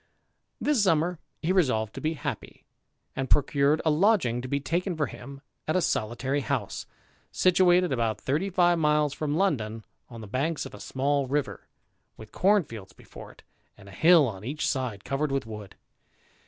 This summer he resolved to be happy, and procured a lodging to be taken for him at a solitary house, situated about thirty miles from London, on the banks of a small river, with corn fields before it, and a hill on each side TTTE IDLER. 319 covered with wood.